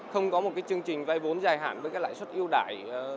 không có một cái chương trình vay vốn dài hạn với các lãi suất ưu đại